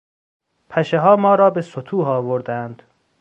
پشهها ما را به ستوه آوردند.